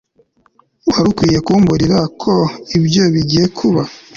Wari ukwiye kumburira ko ibyo bigiye kuba